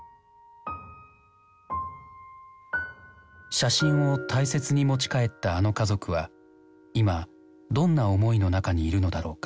写真を大切に持ち帰ったあの家族は今どんな思いの中にいるのだろうか。